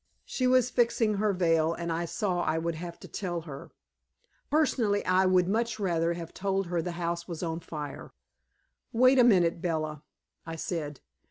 She was fixing her veil, and I saw I would have to tell her. Personally, I would much rather have told her the house was on fire. "Wait a minute, Bella," I said.